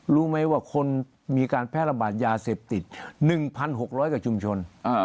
รู้ไหมว่าคนมีการแพร่ระบาดยาเสพติด๑๖๐๐กว่าชุมชน